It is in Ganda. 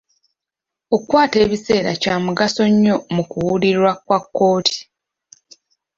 Okwata ebiseera kya mugaso nnyo mu kuwulirwa kwa kkooti.